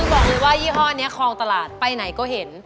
บอกเลยว่ายี่ห้อนี้คลองตลาดไปไหนก็เห็น